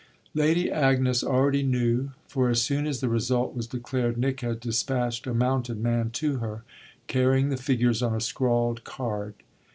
Lady Agnes already knew, for as soon as the result was declared Nick had despatched a mounted man to her, carrying the figures on a scrawled card.